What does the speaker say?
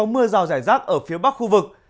mưa rào rải rác ở phía bắc khu vực